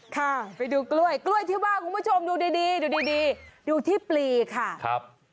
ค่ะไปดูกล้วยกล้วยที่บ้านคุณผู้ชมดูดีดูที่ปลีค่ะ